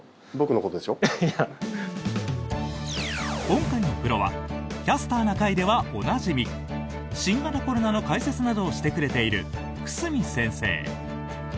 今回のプロは「キャスターな会」ではおなじみ新型コロナの解説などをしてくれている久住先生。